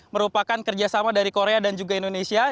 merupakan kerjasama dari korea dan juga indonesia